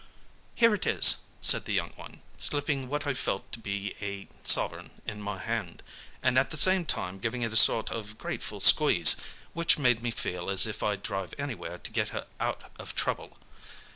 "'Here it is,' said the young one, slipping what I felt to be a sovereign into my hand, and at the same time giving it a sort of a grateful squeeze, which made me feel as if I'd drive anywhere to get her out of trouble.